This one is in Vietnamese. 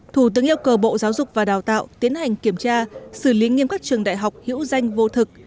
thủ tướng yêu cầu bộ giáo dục và đào tạo tiến hành kiểm tra xử lý nghiêm các trường đại học hữu danh vô thực